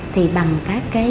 thì bằng các cái